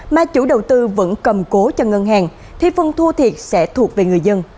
mà chủ đầu tư vẫn cầm cố cho ngân hàng thì phân thua thiệt sẽ thuộc về người dân